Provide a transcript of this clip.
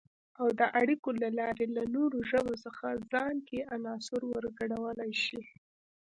او د اړیکو له لارې له نورو ژبو څخه ځان کې عناصر ورګډولای شي